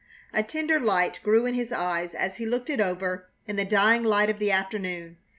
A tender light grew in his eyes as he looked it over in the dying light of the afternoon.